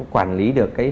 quản lý được